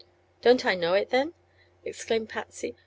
"Don't I know it, then?" exclaimed Patsy.